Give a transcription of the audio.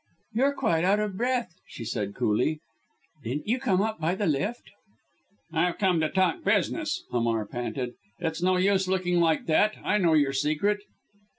"You're quite out of breath," she said coolly, "didn't you come up by the lift?" "I've come to talk business," Hamar panted. "It's no use looking like that. I know your secret."